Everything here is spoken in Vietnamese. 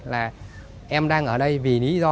là em đang ở đây vì lý do